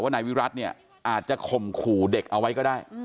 นายวิรัติเนี่ยอาจจะข่มขู่เด็กเอาไว้ก็ได้